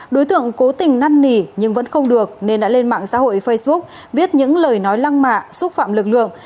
đối tượng cố tình năn nỉ nhưng vẫn không được nên đã lên mạng xã hội facebook viết những lời nói lăng mạ xúc phạm lực lượng